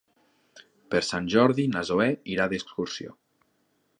Per Sant Jordi na Zoè irà d'excursió.